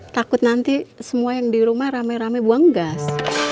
takut nanti semua yang di rumah rame rame buang gas